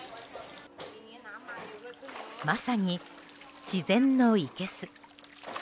まさに自然のいけす。